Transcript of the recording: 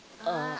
ああ！